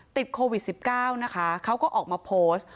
ติดโควิด๑๙นะคะเขาก็ออกมาโพสต์